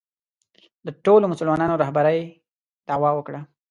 د ټولو مسلمانانو رهبرۍ دعوا وکړه